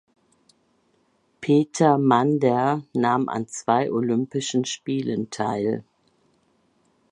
Peter Mander nahm an zwei Olympischen Spielen teil.